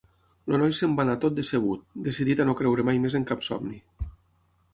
El noi se'n va anar tot decebut, decidit a no creure mai més en cap somni.